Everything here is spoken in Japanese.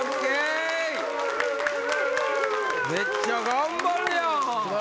めっちゃ頑張るやん！